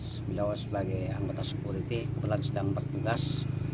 sebelumnya sebagai anggota sekuriti kebelan sedang berjugas